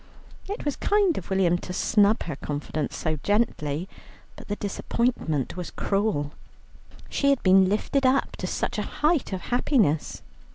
It was kind of William to snub her confidence so gently, but the disappointment was cruel. She had been lifted up to such a height of happiness.